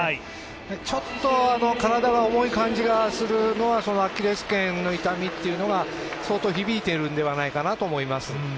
ちょっと体が重い感じがするのはアキレスけんの痛みというのが相当響いてるのではないかと思います。